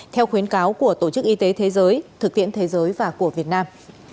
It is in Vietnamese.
theo khuyến cáo của tổ chức y tế thế giới thực tiễn thế giới và của việt nam